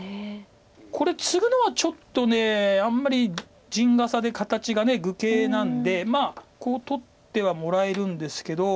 これツグのはちょっとあんまり陣笠で形が愚形なんでまあこう取ってはもらえるんですけど。